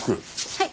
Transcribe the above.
はい。